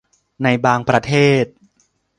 ในบางประเทศ